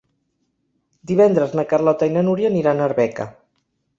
Divendres na Carlota i na Núria aniran a Arbeca.